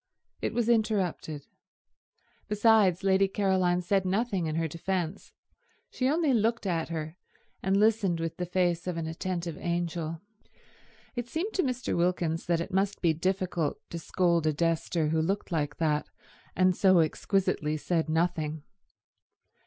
It was interrupted. Besides, Lady Caroline said nothing in her defence; she only looked at her, and listened with the face of an attentive angel. It seemed to Mr. Wilkins that it must be difficult to scold a Dester who looked like that and so exquisitely said nothing.